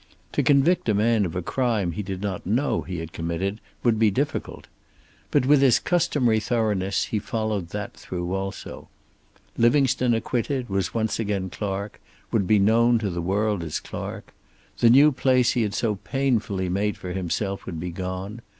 To convict a man of a crime he did not know he had committed would be difficult. But, with his customary thoroughness he followed that through also. Livingstone acquitted was once again Clark, would be known to the world as Clark. The new place he had so painfully made for himself would be gone.